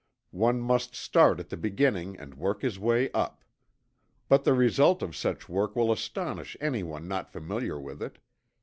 One must start at the beginning and work his way up. But the result of such work will astonish anyone not familiar with it.